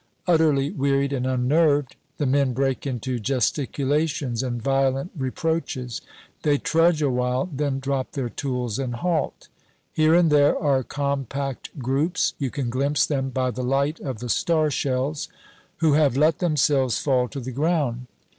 Utterly wearied and unnerved, the men break into gesticulations and violent reproaches. They trudge awhile, then drop their tools and halt. Here and there are compact groups you can glimpse them by the light of the star shells who have let themselves fall to the ground.